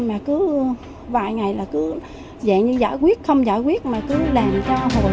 mà cứ vài ngày là cứ dạng như giải quyết không giải quyết mà cứ làm cho hồi học